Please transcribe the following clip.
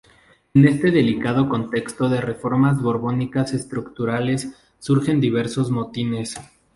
En este delicado contexto de reformas borbónicas estructurales surgen diversos motines.